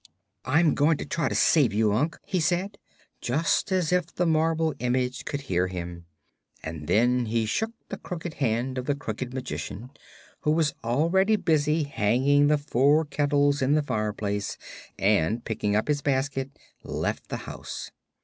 "I'm going to try to save you, Unc," he said, just as if the marble image could hear him; and then he shook the crooked hand of the Crooked Magician, who was already busy hanging the four kettles in the fireplace, and picking up his basket left the house.